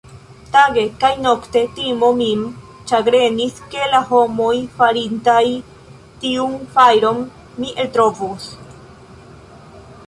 Tage kaj nokte timo min ĉagrenis, ke la homoj, farintaj tiun fajron, mi eltrovos.